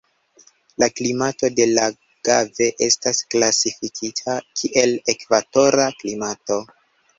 La klimato de Lagave estas klasifikita kiel ekvatora klimato.